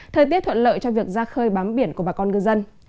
thời tiết thuận lợi cho việc ra khơi bám biển của bà con ngư dân